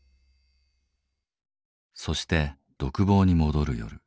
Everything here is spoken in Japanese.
そして独房に戻る夜。